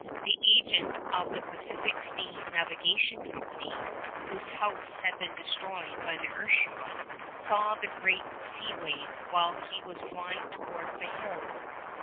The agent of the Pacific Steam Navigation Company, whose house had been destroyed by the earth shock, saw the great sea wave while he was flying towards the hills.